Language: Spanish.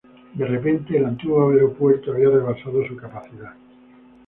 De repente, el antiguo aeropuerto había rebasado su capacidad.